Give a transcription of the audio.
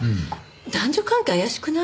男女関係怪しくない？